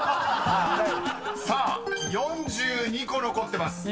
［さあ４２個残ってます］